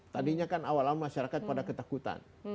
tadinya kan awal awal masyarakat pada ketakutan